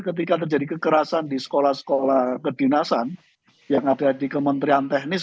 ketika terjadi kekerasan di sekolah sekolah kedinasan yang ada di kementerian teknis